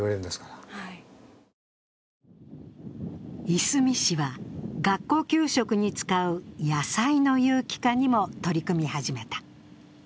いすみ市は、学校給食に使う野菜の有機化にも取り組み始めた。